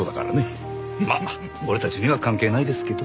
まあ俺たちには関係ないですけど。